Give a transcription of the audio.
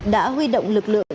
đã huy động lực lượng